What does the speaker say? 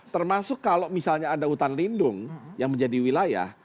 termasuk kalau misalnya ada hutan lindung yang menjadi wilayah